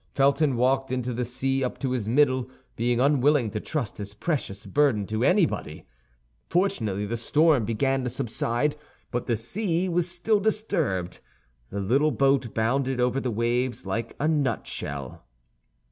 Felton walked into the sea up to his middle, being unwilling to trust his precious burden to anybody. Fortunately the storm began to subside, but still the sea was disturbed. The little boat bounded over the waves like a nut shell.